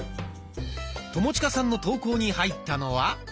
友近さんの投稿に入ったのは。